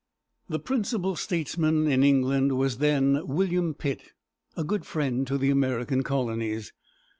The principal statesman in England was then William Pitt, a good friend to the American colonies.